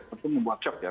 tentu membuat shock ya